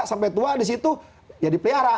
sampai tua disitu ya dipelihara